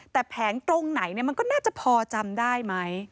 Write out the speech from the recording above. แต่แผงตรงไหนมันก็น่าจะพอจำได้ไหม